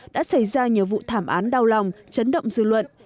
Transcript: đã xảy ra nhiều vụ thảm án đau lòng chấn động dư luận